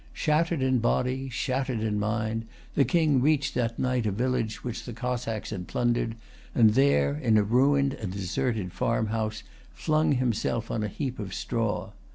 Shattered in body, shattered in mind, the King reached that night a village which the Cossacks had plundered; and there, in a ruined and deserted farmhouse, flung himself on a heap of straw.